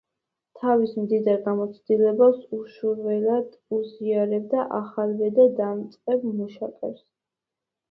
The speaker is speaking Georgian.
თავის მდიდარ გამოცდილებას უშურველად უზიარებდა ახალბედა, დამწყებ მუშაკებს.